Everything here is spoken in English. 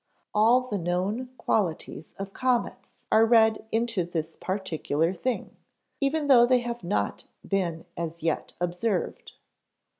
All the known qualities of comets are read into this particular thing, even though they have not been as yet observed.